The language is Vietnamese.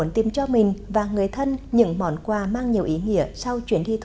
xin chào và hẹn gặp lại